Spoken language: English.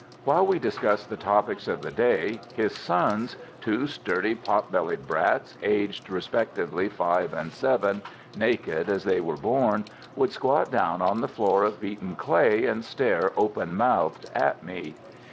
While we discussed the topics of the day, his sons two sturdy, pot bellied brats, aged respectively five and seven, naked as they were born would squat down on the floor of beaten clay and stare open mouthed at me.